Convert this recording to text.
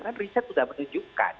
kan riset sudah menunjukkan